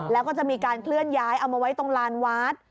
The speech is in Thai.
แล้วก็จะมีการเคลื่อนย้ายเอามาไว้ตรงลานวัด